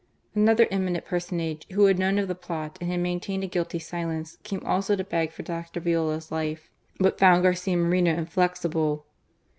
Another eminent personag^^who had known of the plot and had maintained a guilty silence, came also to beg for Dr. Viola's life, but found Garcia Moreno inflexible.